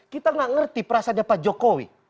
kita nggak ngerti perasaannya pak jokowi